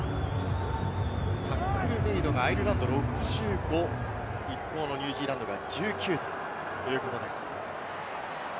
タックルメイドがアイルランド６５、ニュージーランドは１９ということです。